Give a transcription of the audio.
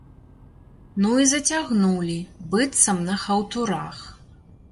Ну і зацягнулі, быццам на хаўтурах.